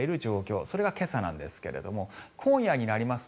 それが今朝なんですが今夜になりますと